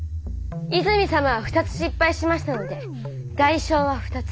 泉様は「２つ」失敗しましたので代償は「２つ」。